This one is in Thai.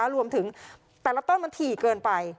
รวมถึงแต่ละต้นมันถี่เกินไป